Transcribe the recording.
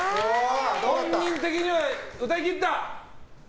本人的には歌い切った？